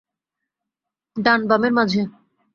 ডান বামের মাঝে।